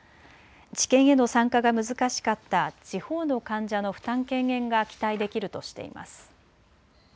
治験への参加が難しかった地方の患者の負担軽減が期待できるとしています。